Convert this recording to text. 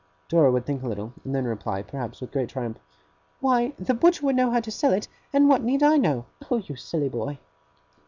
Dora would think a little, and then reply, perhaps, with great triumph: 'Why, the butcher would know how to sell it, and what need I know? Oh, you silly boy!